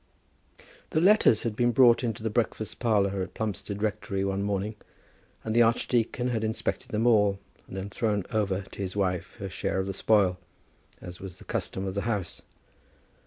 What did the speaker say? The letters had been brought into the breakfast parlour at Plumstead Rectory one morning, and the archdeacon had inspected them all, and then thrown over to his wife her share of the spoil, as was the custom of the house.